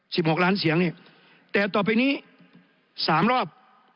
หกล้านเสียงเนี่ยแต่ต่อไปนี้สามรอบ